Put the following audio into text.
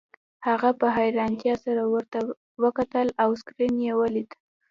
هغه په حیرانتیا سره ورته وکتل او سکرین یې ولید